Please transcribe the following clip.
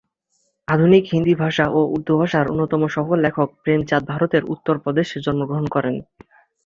আধুনিক হিন্দি ভাষা ও উর্দু ভাষার অন্যতম সফল লেখক প্রেমচাঁদ ভারতের উত্তর প্রদেশে জন্মগ্রহণ করেন।